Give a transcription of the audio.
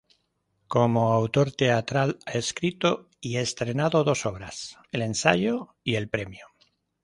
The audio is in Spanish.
Como autor teatral ha escrito y estrenado dos obras: El Ensayo y El premio.